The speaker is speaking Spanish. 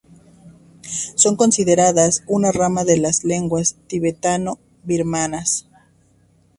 Son consideradas una rama de las lenguas tibetano-birmanas.